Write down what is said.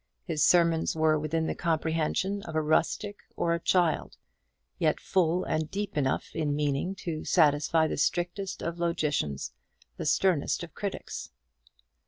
His sermons were within the comprehension of a rustic or a child, yet full and deep enough in meaning to satisfy the strictest of logicians, the sternest of critics.